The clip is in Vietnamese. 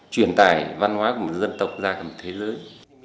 truyền tải văn hóa của một dân tộc ra cả một thế giới